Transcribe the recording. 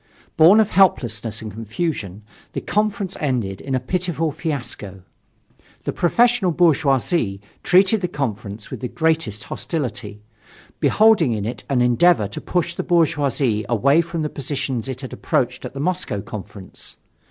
Born of helplessness and confusion, the Conference ended in a pitiful fiasco. The professional bourgeoisie treated the Conference with the greatest hostility, beholding in it an endeavor to push the bourgeoisie away from the positions it had approached at the Moscow Conference.